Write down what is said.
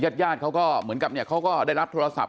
ญาติยาดเขาก็เหมือนกับเหมือนเนี้ยเขาก็ได้รับทโทรศัพท์